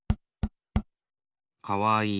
かわいい。